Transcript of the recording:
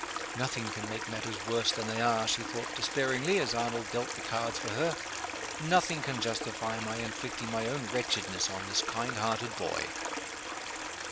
"Nothing can make matters worse than they are," she thought, despairingly, as Arnold dealt the cards for her. "Nothing can justify my inflicting my own wretchedness on this kind hearted boy!"